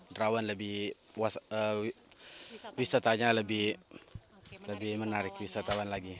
derawan lebih wisatanya lebih menarik wisatawan lagi